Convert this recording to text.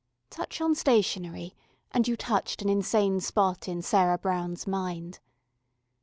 Touch on stationery and you touched an insane spot in Sarah Brown's mind.